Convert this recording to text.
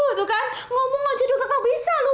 itu kan ngomong aja juga kakak bisa lu